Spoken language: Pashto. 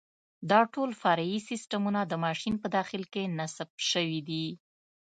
دا ټول فرعي سیسټمونه د ماشین په داخل کې نصب شوي دي.